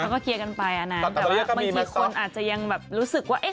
แล้วก็เคลียร์กันไปอันนั้นแต่ว่าบางทีคนอาจจะยังแบบรู้สึกว่า